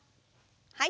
はい。